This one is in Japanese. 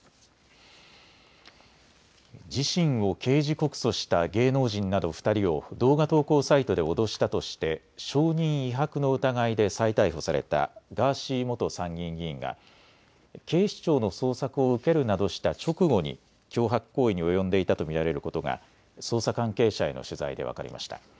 自身を刑事告訴した芸能人など２人を動画投稿サイトで脅したとして証人威迫の疑いで再逮捕されたガーシー元参議院議員が警視庁の捜索を受けるなどした直後に脅迫行為に及んでいたと見られることが捜査関係者への取材で分かりました。